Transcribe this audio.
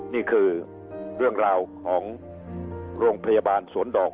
นี่คือเรื่องราวของโรงพยาบาลสวนดอก